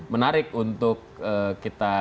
menarik untuk kita